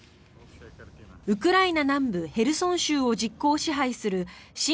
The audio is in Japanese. ウクライナ南部ヘルソン州を実効支配する親